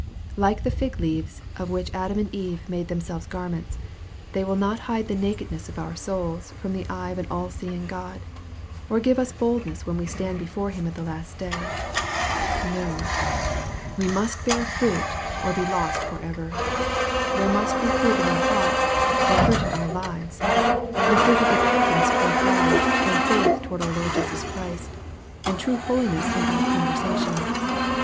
Like the fig leaves of which Adam and Eve made themselves garments, they will not hide the nakedness of our souls from the eye of an all seeing G od, or give us boldness when we stand before Him at the last day. No ! we must bear fruit, or be lost for ever. There must be fruit in our hearts and fruit in our lives, the fruit of repentance toward God, and faith toward our Lord Jesus Christ, and true holiness in our conversation.